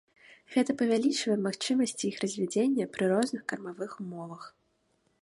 Гэта павялічвае магчымасці іх развядзення пры розных кармавых умовах.